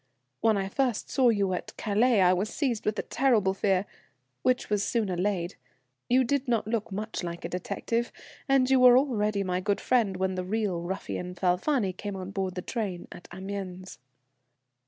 When I first saw you at Calais I was seized with a terrible fear, which was soon allayed; you did not look much like a detective, and you were already my good friend when the real ruffian, Falfani, came on board the train at Amiens."